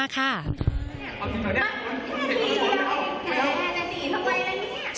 ขอบคุณมากค่ะ